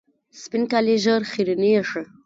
سپین کالي ژر خیرنېږي.